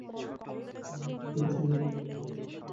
তাহলে তুমি দেখবে সফলতা একদিন তোমার হাতের মুঠোর মধ্যে এসে গেছে।